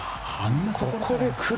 ここで来る？